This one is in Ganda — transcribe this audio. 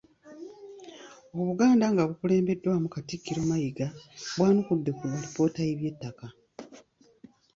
Obuganda nga bukulembeddwamu Katikkiro Mayiga bwayanukudde ku alipoota y'eby'ettaka.